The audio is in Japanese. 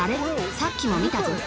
さっきも見たぞ。